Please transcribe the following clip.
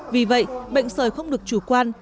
vì vậy bệnh sởi không được chủ quan